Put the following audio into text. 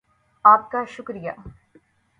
آپ کا شکریہ